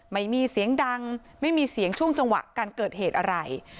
ไม่มีเสียงดังไม่มีเสียงช่วงจังหวะการเกิดเหตุอะไร